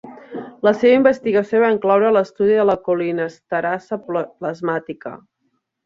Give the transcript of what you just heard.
La seva investigació va incloure l'estudi de la colinesterasa plasmàtica.